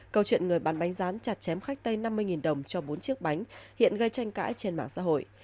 câu chuyện người bán bánh rán chặt chém khách tây năm mươi đồng cho bốn chiếc bánh hiện gây tranh cãi trên mạng xã hội